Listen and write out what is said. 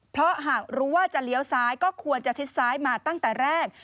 เพราะหากรู้ว่าจะเลี้ยวซ้ายก็ควรจะชิดซ้ายมาตั้งแต่แรก